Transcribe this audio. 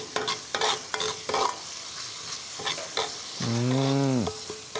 うん